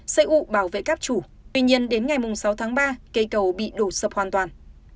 xây ủ bảo vệ cáp chủ tuy nhiên đến ngày sáu tháng ba cây cầu bị đổ sập hoàn toàn